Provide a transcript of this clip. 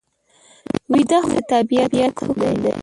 ویده خوب د طبیعت حکم دی